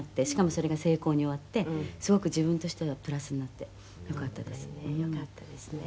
「しかもそれが成功に終わってすごく自分としてはプラスになってよかったです」